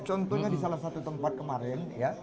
contohnya di salah satu tempat kemarin